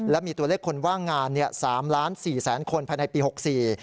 แล้วมีตัวเลขคนว่างงานเนี่ย๓๔๐๐๐๐๐คนภายในปี๖๔๐๐๐๐